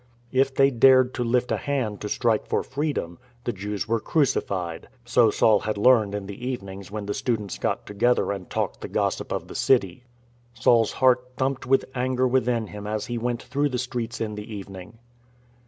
If they dared to lift a hand to strike for freedom, the Jews were crucified — so Saul had learned in the evenings when the students got together and talked the gossip of the city. Saul's heart thumped with anger within him as he went through the streets in the evening.